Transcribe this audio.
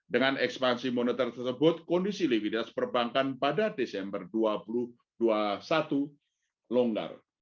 dengan ekspansi moneter tersebut kondisi likuiditas perbankan pada desember dua ribu dua puluh satu longgar